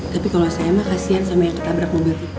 tapi kalau saya mah kasihan sama yang ketabrak mobil